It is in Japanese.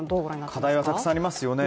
課題はたくさんありますよね。